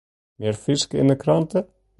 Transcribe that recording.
Mear Frysk yn ’e krante?